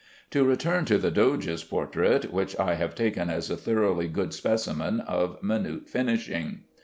To return to the Doge's portrait, which I have taken as a thoroughly good specimen of minute finishing.